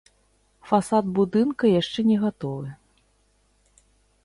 Фасад будынка яшчэ не гатовы.